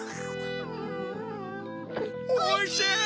おいしい！